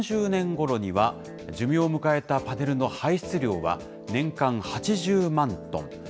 ２０４０年ごろには、寿命を迎えたパネルの排出量は年間８０万トン。